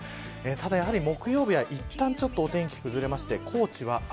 ただ、やはり木曜日はいったんちょっとお天気崩れて高知は雨。